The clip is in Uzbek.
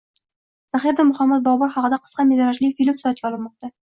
Zahiriddin Muhammad Bobur haqida qisqa metrajli film suratga olinmoqda